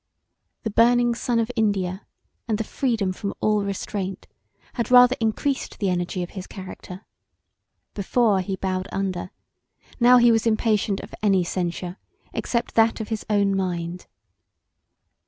The burning sun of India, and the freedom from all restraint had rather encreased the energy of his character: before he bowed under, now he was impatient of any censure except that of his own mind.